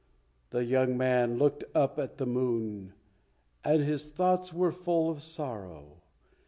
The young man looked up at the moon and his thoughts were full of sorrow.